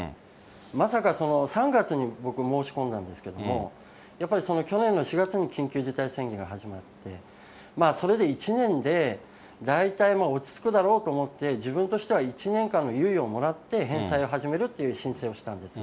まさか３月に僕、申し込んだんですけれども、やっぱりその去年の４月に緊急事態宣言が始まって、それで１年で、大体落ち着くだろうと思って、自分としては１年間の猶予をもらって、返済を始めるっていう申請をしたんです。